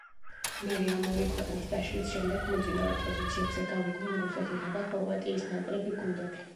მერე ამ ორი ქვეყნის დაშლის შემდეგ მოწინავე პოზიციებზე გავიდნენ რუსეთისა და ხორვატიის ნაკრები გუნდები.